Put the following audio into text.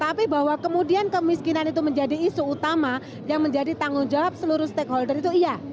tapi bahwa kemudian kemiskinan itu menjadi isu utama yang menjadi tanggung jawab seluruh stakeholder itu iya